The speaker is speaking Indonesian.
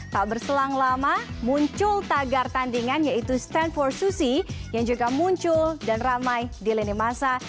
tak berselang lama muncul tagar tandingan yaitu stand for susi yang juga muncul dan ramai di lini masa